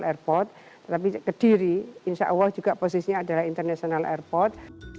tapi kediri insya allah juga posisinya adalah internasional airport